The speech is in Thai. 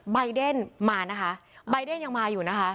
ใบเดนมานะคะใบเดนยังมาอยู่นะคะ